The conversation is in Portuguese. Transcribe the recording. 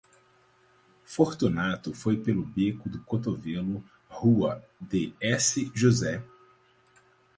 Fortunato foi pelo beco do Cotovelo, rua de S. José.